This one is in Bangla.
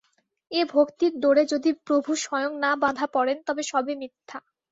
এ ভক্তির ডোরে যদি প্রভু স্বয়ং না বাঁধা পড়েন, তবে সবই মিথ্যা।